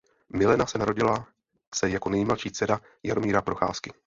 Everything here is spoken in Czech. Milena se narodila se jako nejmladší dcera Jaromíra Procházky.